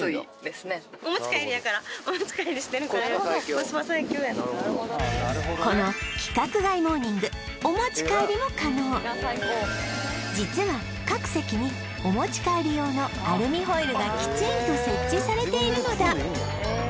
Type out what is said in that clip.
コスパ最強やんなこの規格外モーニング実は各席にお持ち帰り用のアルミホイルがきちんと設置されているのだ